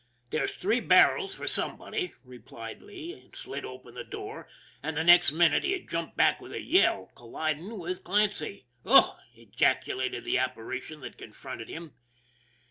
" There's three barrels for somebody," replied Lee, and slid open the door and the next minute he had jumped back with a yell, colliding with Clancy. " Ugh !" ejaculated the apparition that confronted him.